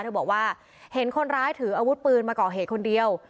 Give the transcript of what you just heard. เธอบอกว่าเห็นคนร้ายถืออาวุธปืนมาก่อเหตุคนเดียว